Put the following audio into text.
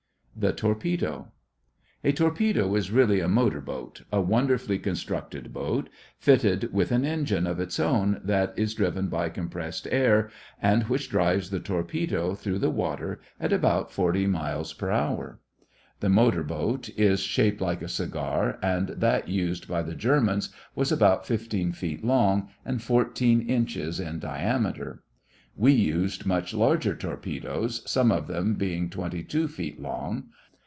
THE TORPEDO A torpedo is really a motor boat, a wonderfully constructed boat, fitted with an engine of its own that is driven by compressed air and which drives the torpedo through the water at about forty miles per hour. The motor boat is shaped like a cigar and that used by the Germans was about fifteen feet long and fourteen inches in diameter. We used much larger torpedoes, some of them being twenty two feet long.